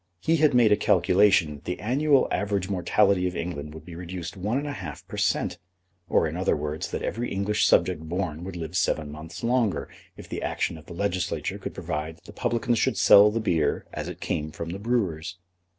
He had made a calculation that the annual average mortality of England would be reduced one and a half per cent., or in other words that every English subject born would live seven months longer if the action of the Legislature could provide that the publicans should sell the beer as it came from the brewers.